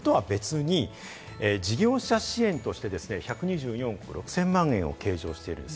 これとは別に事業者支援として１２４億６０００万円を計上しているんです。